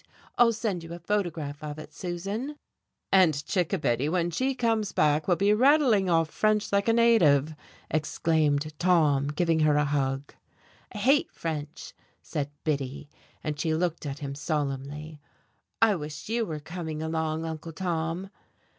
"I'll send you a photograph of it, Susan." "And Chickabiddy, when she comes back, will be rattling off French like a native," exclaimed Tom, giving her a hug. "I hate French," said Biddy, and she looked at him solemnly. "I wish you were coming along, Uncle Tom."